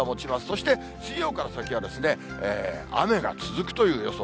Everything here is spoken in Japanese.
そして、水曜から先は雨が続くという予想。